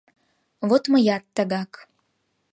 Вот мыят тыгак